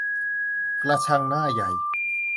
กระชังหน้าใหญ่